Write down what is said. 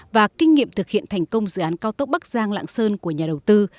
và kinh nghiệm thực hiện thành công dự án cao tốc bắc giang lạng sơn của nhà đầu tư